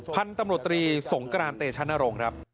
พันธุ์ตำรวจตรีสงกรานเตชนรงค์ครับ